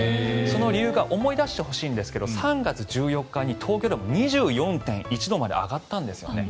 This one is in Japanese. その理由が思い出してほしいんですが３月１４日に東京でも２４．１度まで上がったんです。